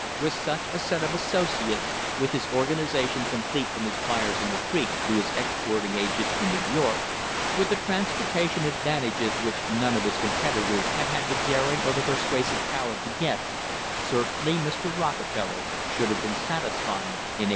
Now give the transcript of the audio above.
With such a set of associates, with his organisation com plete from his buyers on the creek to his exporting agent in New York, with the transportation advantages which none of his competitors had had the daring or the persuasive power to get, certainly Mr. Rockefeller should have been satisfied in 1870.